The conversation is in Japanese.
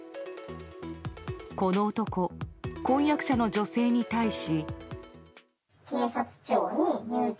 この男、婚約者の女性に対し。